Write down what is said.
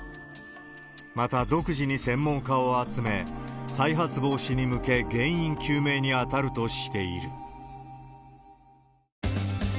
また、独自に専門家を集め、再発防止に向け原因究明に当たるとしている。